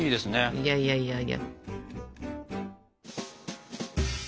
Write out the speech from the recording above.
いやいやいやいや。